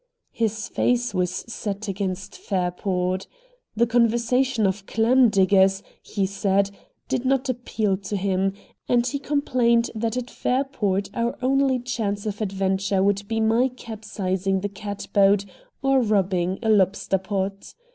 His face was set against Fairport. The conversation of clam diggers, he said, did not appeal to him; and he complained that at Fairport our only chance of adventure would be my capsizing the catboat or robbing a lobster pot.